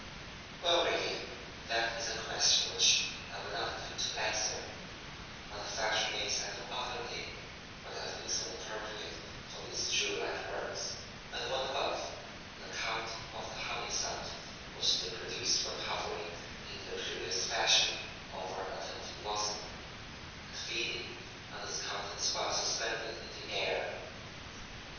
Well, really, that is a question which I will not attempt to answer, but the fact remains that no other name would have been so appropriate for these jewel like birds but the one above, on account of the humming sound which they produce when hovering in their curious fashion over a tempting blossom, and feeding on its contents while suspended in air.